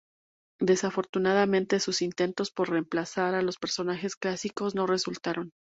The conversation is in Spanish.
Desafortunadamente, sus intentos por reemplazar a los personajes clásicos no resultaron.